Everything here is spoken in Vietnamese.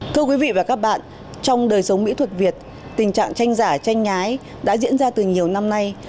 thưa quý vị và các bạn trong đời sống mỹ thuật việt tình trạng tranh giả tranh nhái đã diễn ra từ nhiều năm nay